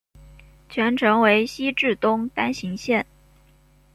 全程为西至东单行线。